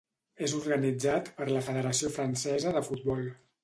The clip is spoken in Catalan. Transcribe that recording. És organitzat per la Federació Francesa de Futbol.